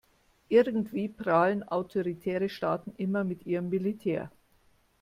Irgendwie prahlen autoritäre Staaten immer mit ihrem Militär.